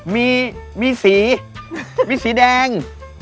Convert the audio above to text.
มีสีมีสีแดง